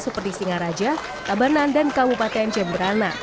seperti singaraja tabanan dan kabupaten jemberana